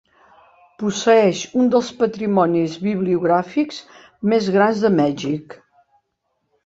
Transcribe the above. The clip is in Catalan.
Posseeix un dels patrimonis bibliogràfics més grans a Mèxic.